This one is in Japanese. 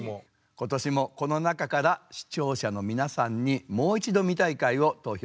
今年もこの中から視聴者の皆さんにもう一度見たい回を投票して頂きました。